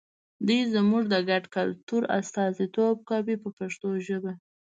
دوی زموږ د ګډ کلتور استازیتوب کوي په پښتو ژبه.